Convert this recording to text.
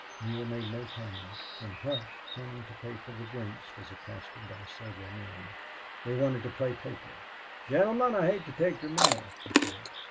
Neale made no comment, and Hough, turning to pay for the drinks, was accosted by several men. They wanted to play poker. "Gentlemen, I hate to take your money," he said.